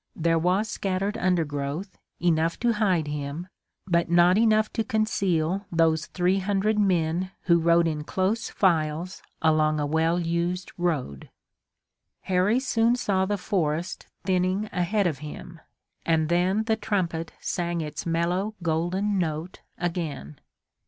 There was scattered undergrowth, enough to hide him, but not enough to conceal those three hundred men who rode in close files along a well used road. Harry soon saw the forest thinning ahead of him and then the trumpet sang its mellow, golden note again.